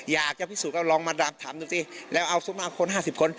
อยากจะพิสูจน์ก็ลองมาถามนิวซี่แล้วเอาซุปนธรมาคิกอีกครับ๕๐คน